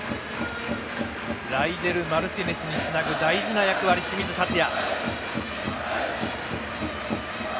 ライデル・マルティネスにつなぐ大事な役割、清水達也。